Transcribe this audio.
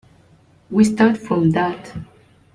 We start from that.